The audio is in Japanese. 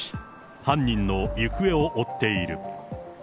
犯人の行方を追っている。